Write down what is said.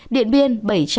điện biên bảy trăm ba mươi tám